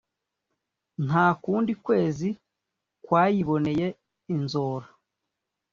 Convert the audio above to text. nta kundi kwezi kwayiboneye inzora